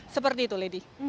seperti itu lady